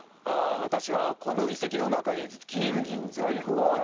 ああ私はこの遺跡の中に金銀財宝だ！